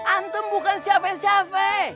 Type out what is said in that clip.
antum bukan siapa siapa